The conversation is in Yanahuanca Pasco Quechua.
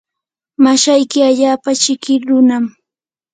mashayki allaapa chiki runam.